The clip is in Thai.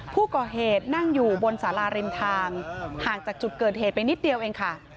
ผู้ก่อเหตุนั่งอยู่บนสาราริมทางห่างจากจุดเกิดเหตุไปนิดเดียวเองค่ะ